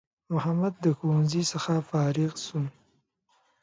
محمد د ښوونځی څخه فارغ سو